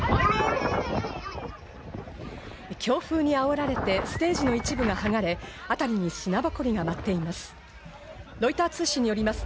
強風にあおられてステージの一部がはがれ、あたりに砂ぼこりが舞っています。